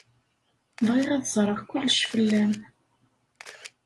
Bɣiɣ ad ẓreɣ kullec fell-am.